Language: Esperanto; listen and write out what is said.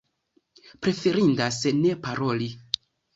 Preferindas ne paroli.